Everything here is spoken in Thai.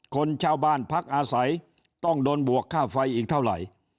คนเช่าบ้านพักอาศัยต้องโดนบวกค่าไฟอีกเท่าไหร่